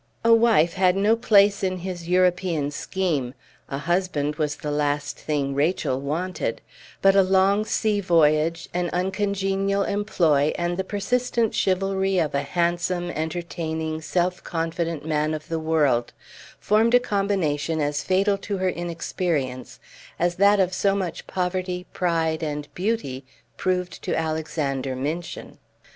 A wife had no place in his European scheme; a husband was the last thing Rachel wanted; but a long sea voyage, an uncongenial employ, and the persistent chivalry of a handsome, entertaining, self confident man of the world, formed a combination as fatal to her inexperience as that of so much poverty, pride, and beauty proved to Alexander Minchin.